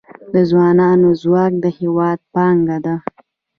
د ځوانانو ځواک د هیواد پانګه ده